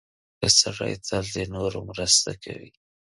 • ښه سړی تل د نورو مرسته کوي.